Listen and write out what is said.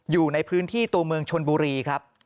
อยู่ในพื้นที่ตัวเมืองชนบุรีครับ